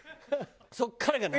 そこからが長い。